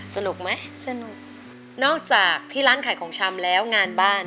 สนุกไหมสนุกนอกจากที่ร้านขายของชำแล้วงานบ้าน